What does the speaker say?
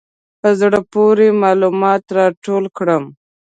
په زړه پورې معلومات راټول کړم.